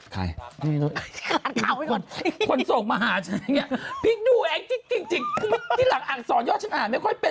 ใครคนส่งมาหาฉันเนี่ยพิกดูไอ้จิกที่หลังอักษรยอดฉันอ่านไม่ค่อยเป็น